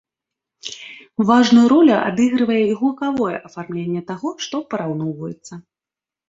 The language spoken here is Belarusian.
Важную ролю адыгрывае і гукавое афармленне таго, што параўноўваецца.